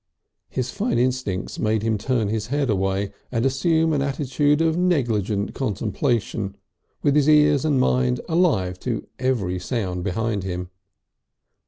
His fine instincts made him turn his head away and assume an attitude of negligent contemplation, with his ears and mind alive to every sound behind him.